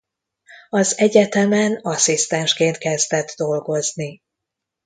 Az egyetemen asszisztensként kezdett dolgozni.